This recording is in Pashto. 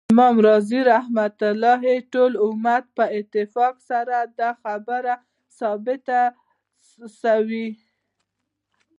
امام رازی رحمه الله : ټول امت په اتفاق سره دا خبره ثابته سوی